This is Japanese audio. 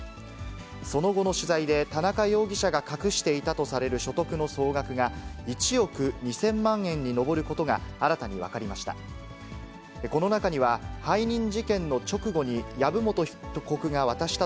その後の取材で、田中容疑者が隠していたとされる所得の総額が、１億２０００万円に上ることが、新たに分かりました。